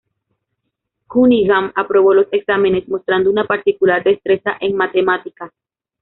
Cunningham aprobó los exámenes, mostrando una particular destreza en matemáticas.